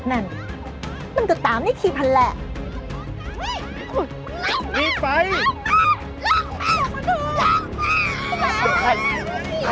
เห้ยไงบ้างลุกขึ้นกันน่ะ